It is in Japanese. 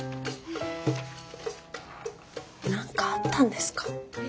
何かあったんですか？